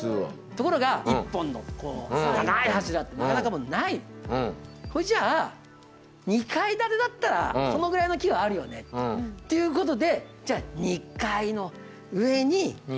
ところがほいじゃあ２階建てだったらそのぐらいの木はあるよねということでじゃ２階の上に。